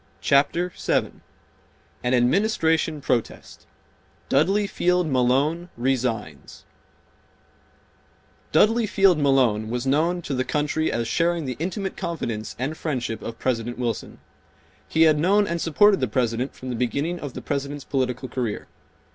Chapter 7 An Administration Protest—Dudley Field Malone Resigns Dudley Field Malone was known to the country as sharing the intimate confidence and friendship of President Wilson. He had known and supported the President from the beginning of the President's political career.